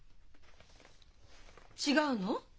違うの？